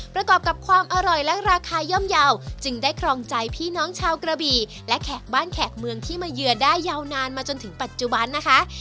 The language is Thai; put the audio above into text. ประกอบกับความอร่อยและราคาย่อมเยาว์จึงได้ครองใจพี่น้องชาวกระบี่และแขกบ้านแขกเมืองที่มาเยือนได้ยาวนานมาจนถึงปัจจุบันนะคะ